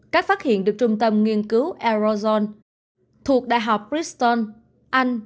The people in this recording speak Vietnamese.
các phát hiện được trung tâm nghiên cứu arizona thuộc đại học bristol anh